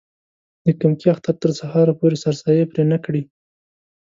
د کمکي اختر تر سهاره پورې سرسایې پرې نه کړي.